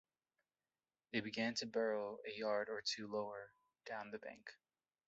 They began to burrow a yard or two lower down the bank.